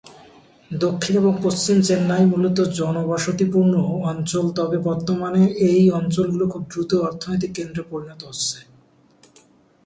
দক্ষিণ এবং পশ্চিম চেন্নাই মূলত জনবসতিপূর্ণ অঞ্চল তবে বর্তমানে এই অঞ্চলগুলো খুব দ্রুত অর্থনৈতিক কেন্দ্রে পরিণত হচ্ছে।